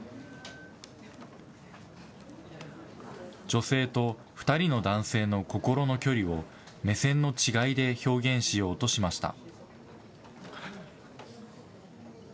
女性と２人の男性の心の距離を、目線の違いで表現しようとしました。